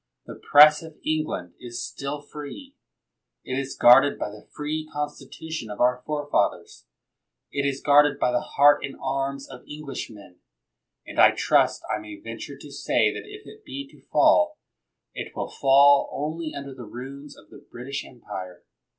The Press of England is still free. It is guarded by the free Constitu tion of our forefathers. It is guarded by the heart and arms of Englishmen, and I trust I may venture to say that if it be to fall, it will fall only under the ruins of the British Empire.